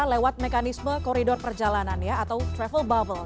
lewat mekanisme koridor perjalanan ya atau travel bubble